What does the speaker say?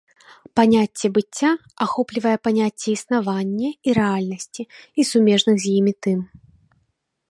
Паняцце быцця ахоплівае паняцце існаванне і рэальнасці і сумежных з імі тым.